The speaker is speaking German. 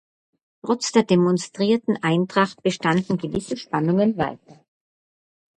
Trotz der demonstrierten Eintracht bestanden gewisse Spannungen weiter.